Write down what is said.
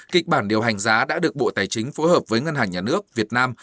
kịch bản điều hành giá đã được bộ tài chính phối hợp với ngân hàng nhà nước việt nam